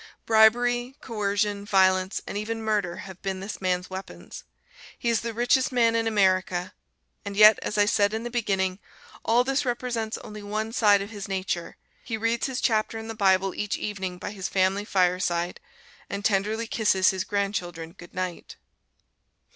Bribery, coercion, violence and even murder have been this man's weapons. He is the richest man in America. And yet, as I said in the beginning, all this represents only one side of his nature: he reads his chapter in the Bible each evening by his family fireside, and tenderly kisses his grandchildren good night.